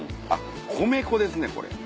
米粉ですねこれ。